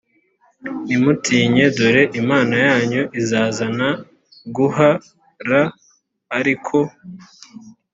ntimutinye dore imana yanyu izazana guh ra ari ko